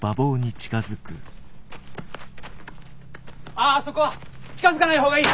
ああそこ近づかない方がいい。